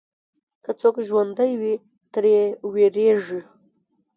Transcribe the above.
که څوک ژوندی وي، ترې وېرېږي.